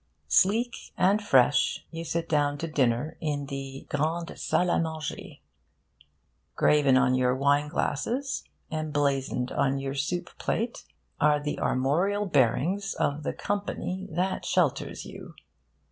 Sleek and fresh, you sit down to dinner in the 'Grande Salle a' Manger.' Graven on your wine glasses, emblazoned on your soup plate, are the armorial bearings of the company that shelters you.